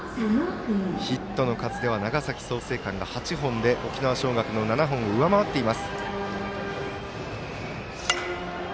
ヒットの数では長崎、創成館が８本で沖縄尚学の７本を上回っています。